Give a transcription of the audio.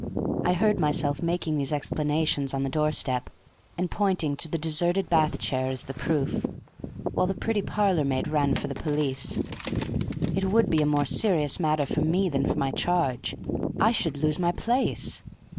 I heard myself making these explanations on the doorstep, and pointing to the deserted bath chair as the proof, while the pretty parlor maid ran for the police. It would be a more serious matter for me than for my charge. I should lose my place.